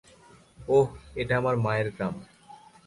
ওহ, এটা মায়ের গ্রাম।